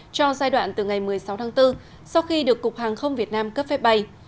cho giai đoạn từ ngày một mươi sáu tháng bốn sau khi được cục hàng không việt nam cấp phép bay